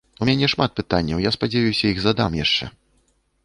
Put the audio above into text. У мяне шмат пытанняў, я спадзяюся, іх задам яшчэ.